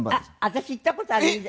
私行った事ある以前。